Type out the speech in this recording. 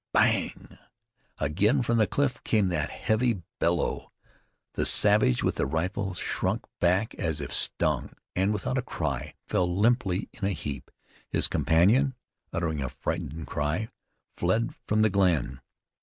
"Bang!" Again from the cliff came that heavy bellow. The savage with the rifle shrunk back as if stung, and without a cry fell limply in a heap. His companion, uttering a frightened cry, fled from the glen.